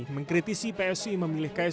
mengkritisi psi memilih kaisang